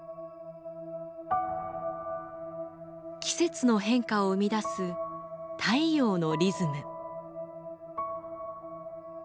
季節の変化を生み出す太陽のリズム。